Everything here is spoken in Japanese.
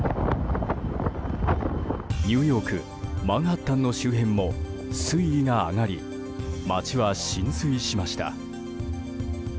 ニューヨークマンハッタンの周辺も水位が上がり街は浸水しました。